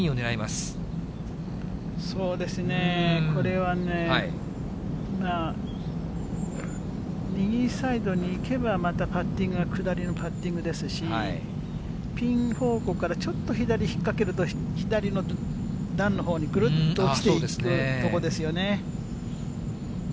そうですね、これはね、右サイドにいけば、またパッティングが下りのパッティングですし、ピン方向からちょっと左引っ掛けると、左の段のほうにぐるっと落ちていく所ですよね。